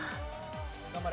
頑張れ。